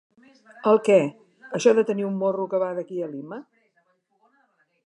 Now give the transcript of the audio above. El què, això de tenir un morro que va d'aquí a Lima?